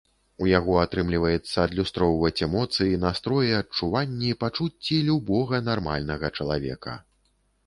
У яго атрымліваецца адлюстроўваць эмоцыі, настроі, адчуванні, пачуцці любога нармальнага чалавека.